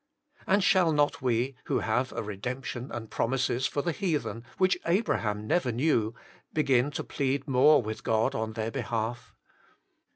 And shall not we, who have a redemption and promises for the heathen which Abraham never knew, begin to plead more with God on their behalf.